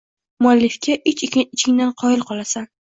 Muallifga ich-ichingdan qoyil qolasan